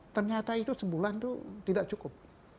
ternyata itu sebulan itu tidak cukup